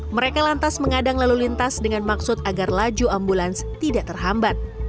mereka lantas mengadang lalu lintas dengan maksud agar laju ambulans tidak terhambat